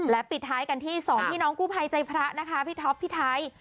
ปิดท้ายกันที่สองพี่น้องกู้ภัยใจพระนะคะพี่ท็อปพี่ไทย